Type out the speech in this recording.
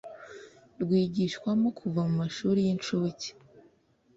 rwigishwamo kuva mu mashuri y’inshuke